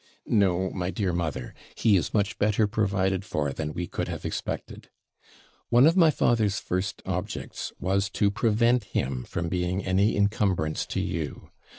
'No, my dear mother; he is much better provided for than we could have expected. One of my father's first objects was to prevent him from being any encumbrance to you.